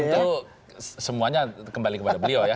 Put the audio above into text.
tentu semuanya kembali kepada beliau ya